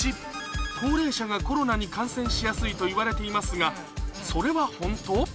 高齢者がコロナに感染しやすいといわれていますがそれはホント？